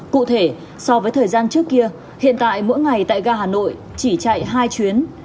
cụ thể so với thời gian trước kia hiện tại mỗi ngày tại ga hà nội chỉ chạy hai chuyến